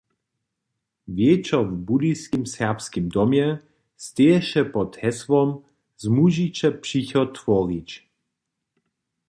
Wječor w Budyskim Serbskim domje steješe pod hesłom "Zmužiće přichod tworić".